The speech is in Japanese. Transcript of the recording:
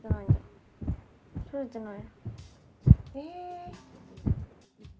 撮れてない。